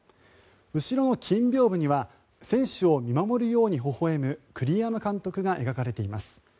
後ろの金びょうぶには選手を見守るようにほほ笑む栗山監督が描かれています。